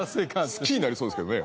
好きになりそうですけどね。